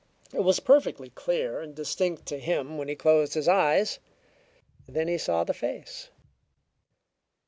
It was perfectly clear and distinct to him when he closed his eyes; then he saw the face.